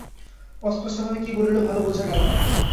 অস্পষ্টভাবে কি বলিল ভালো বোঝা গেল না।